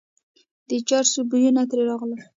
د چرسو بویونه ترې راغلل.